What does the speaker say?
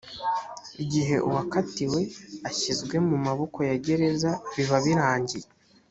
igihe uwakatiwe ashyizwe mu maboko ya gereza biba birangiye